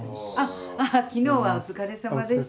あ昨日はお疲れさまでした。